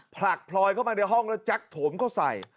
ผลักพลอยเข้ามาในห้องแล้วแจ็คโถมเข้าใส่